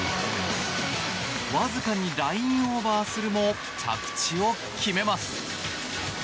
わずかにラインオーバーするも着地を決めます。